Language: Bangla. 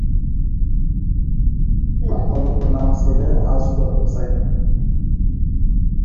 তাঁর প্রদত্ত নাম ছিলে আসগর হুসাইন।